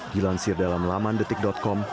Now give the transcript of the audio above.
dilansir dalam laman detik com